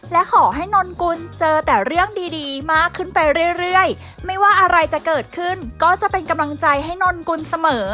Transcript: และขอให้นนกุลเจอแต่เรื่องดีดีมากขึ้นไปเรื่อยไม่ว่าอะไรจะเกิดขึ้นก็จะเป็นกำลังใจให้นนกุลเสมอ